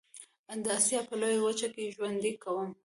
د آسيا په لويه وچه کې ژوند کوم.